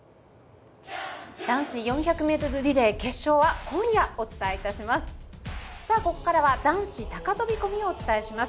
男子４００ｍリレー決勝は今夜お伝えします。